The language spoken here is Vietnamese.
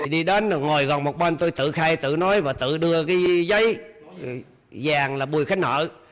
đi đến ngoài gần một bên tôi tự khai tự nói và tự đưa cái giấy vàng là bùi khánh nợ